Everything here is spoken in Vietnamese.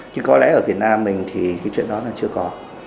nhưng có lẽ ở việt nam mình thì cái chuyện đó là chưa có